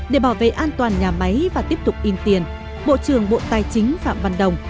để bảo vệ an toàn nhà máy và tiếp tục in tiền bộ trưởng bộ tài chính phạm văn đồng